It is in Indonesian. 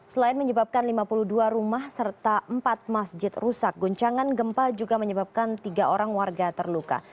selain menyebabkan lima puluh dua rumah serta empat masjid rusak guncangan gempa juga menyebabkan tiga orang warga terluka